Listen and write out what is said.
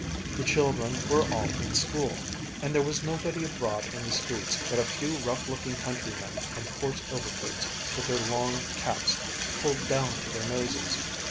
The children were all in school, and there was nobody abroad in the streets but a few rough looking countrymen in coarse overcoats, with their long caps pulled down to their noses.